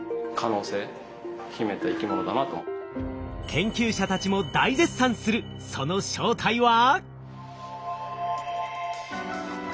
研究者たちも大絶賛するその正体は？